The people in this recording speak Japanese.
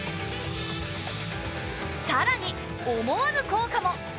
さらに思わぬ効果も！